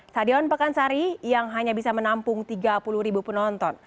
stadion pekansari yang hanya bisa menampung tiga puluh ribu penonton